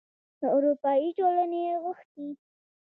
له اروپايي ټولنې غوښتي